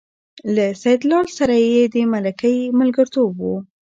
له سیدلال سره یې د ملکۍ ملګرتوب و.